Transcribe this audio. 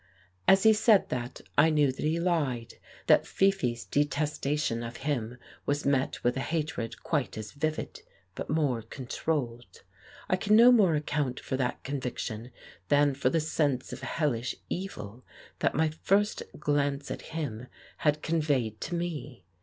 As he said that I knew that he lied; that Fifi's detestation of him was met with a hatred quite as vivid but more controlled. I can no more account for that conviction than for the sense of hellish evil that my first glance at him had conveyed to me.